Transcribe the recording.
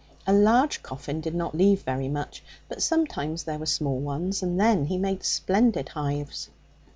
A large coffin did not leave very much; but sometimes there were small ones, and then he made splendid hives.